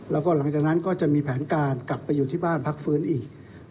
แล้วก็หลังจากนั้นก็จะมีแผนการกลับไปอยู่ที่บ้านพักฟื้นอีก